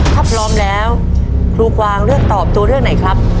ถ้าพร้อมแล้วครูกวางเลือกตอบตัวเลือกไหนครับ